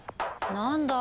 何だ？